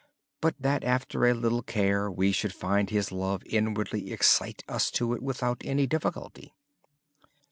Then, after a little care, we would find His love inwardly excite us to it without any difficulty.